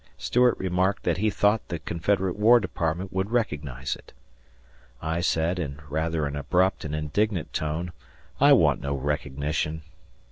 Stuart remarked that he thought the Confederate War Department would recognize it. I said, in rather an abrupt and indignant tone, "I want no recognition."